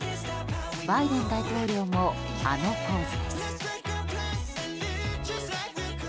バイデン大統領もあのポーズです。